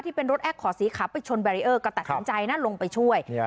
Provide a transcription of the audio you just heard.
ที่เป็นรถแอ๊กขอสีขับไปชนแบรีอร์ก็ตัดสังใจลงไปช่วย